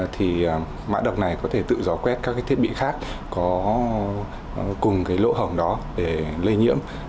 thì mã độc này có thể tự gió quét các cái thiết bị khác có cùng cái lỗ hổng đó để lây nhiễm